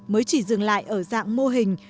mới chỉ dừng lại ở dạng mô hình